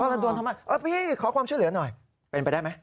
เขาก็ก็ต้องทำแบบเออพี่ขอความช่วยเหลือหน่อยเป็นไปได้ไหม